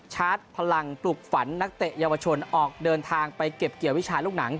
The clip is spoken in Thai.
ชาร์จพลังปลุกฝันนักเตะเยาวชนออกเดินทางไปเก็บเกี่ยววิชาลูกหนัง